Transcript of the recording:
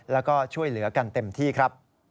แล้วก็ช่วยเหลือกันเต็มที่ครับ